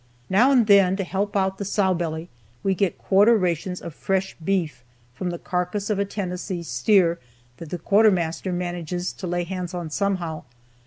Now and then, to help out the sow belly, we get quarter rations of fresh beef from the carcass of a Tennessee steer that the quartermaster manages to lay hands on somehow.